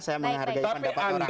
saya menghargai pendapat orang